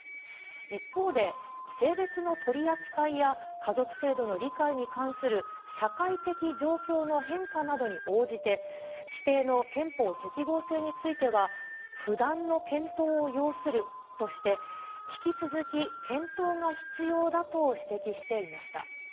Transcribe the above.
一方で、性別の取り扱いや、家族制度の理解に関する社会的状況の変化などに応じて、規定の憲法適合性については、不断の検討を要するとして、引き続き検討が必要だと指摘していました。